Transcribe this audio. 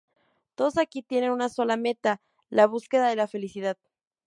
Todos aquí tienen una sola meta: la búsqueda de la felicidad.